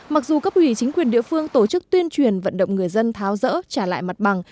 mặc dù cấp ủy chính quyền địa phương tổ chức tuyên truyền vận động người dân tháo rỡ trả lại mặt bằng